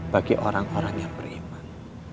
bagi orang orang yang beriman